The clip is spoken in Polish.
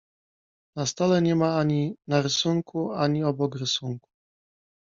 Na stole nie ma ani na rysunku, ani obok rysunku.